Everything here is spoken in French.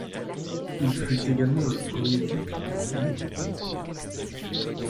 Il fut également le premier duc de Bouillon.